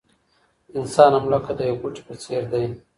انسان هم لکه د یو بوټي په څېر دی.